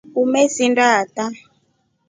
Umesinda ata.